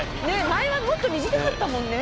前はもっと短かったもんね。